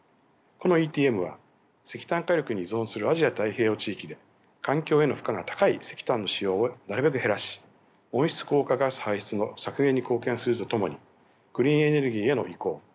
このＥＴＭは石炭火力に依存するアジア・太平洋地域で環境への負荷が高い石炭の使用をなるべく減らし温室効果ガス排出の削減に貢献するとともにクリーンエネルギーへの移行